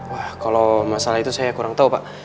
wah kalau masalah itu saya kurang tahu pak